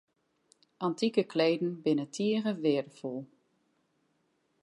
Antike kleden binne tige weardefol.